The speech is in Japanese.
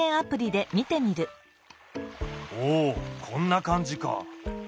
おおこんな感じか！